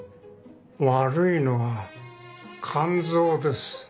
悪いのは肝臓です。